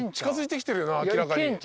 近づいてきてるよな明らかに。